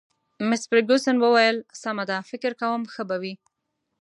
مس فرګوسن وویل: سمه ده، فکر کوم ښه به وي.